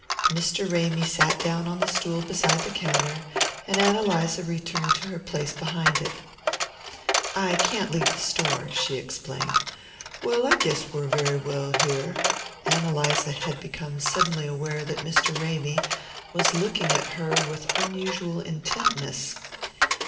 Mr. Ramy sat down on the stool beside the counter, and Ann Eliza returned to her place behind it. "I can't leave the store," she explained. "Well, I guess we're very well here." Ann Eliza had become suddenly aware that Mr. Ramy was looking at her with unusual intentness.